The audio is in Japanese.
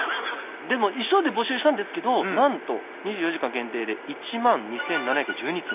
でも急いで募集したんですけどなんと２４時間限定で１万２，７１２通。